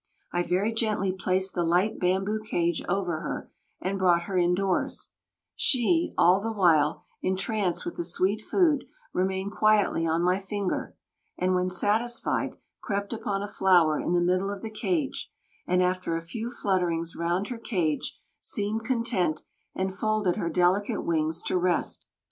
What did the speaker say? I very gently placed the light bamboo cage over her and brought her indoors; she, all the while, entranced with the sweet food, remained quietly on my finger, and when satisfied, crept upon a flower in the middle of the cage, and after a few flutterings round her cage seemed content and folded her delicate wings to rest.